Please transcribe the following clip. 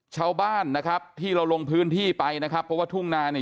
ชาวบ้านนะครับที่เราลงพื้นที่ไปนะครับเพราะว่าทุ่งนาเนี่ย